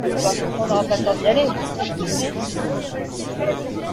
On n’aura pas le temps d’y aller ? Si !